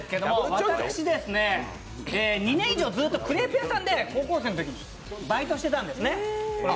私、２年以上、ずっとクレープ屋さんで高校生のとき、バイトしてたんですね。